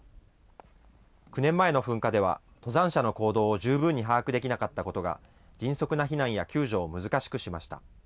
９年前の噴火では、登山者の行動を十分に把握できなかったことが、迅速な避難や救助を難しくしました。